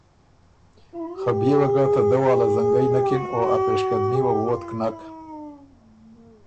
خه بيې وه ګۀ ته دۀ واله زنګئ نکِن او ا پېشقدمي وه ووتک نک۔